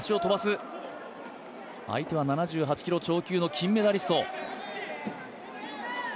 相手は７８キロ超級の金メダリスト。